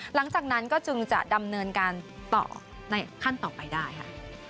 หลังจากนั้นก็จึงจะดำเนินการต่อในขั้นต่อไปได้ค่ะ